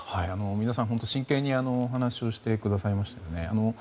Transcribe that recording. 皆さん本当に真剣にお話をしてくださいましたよね。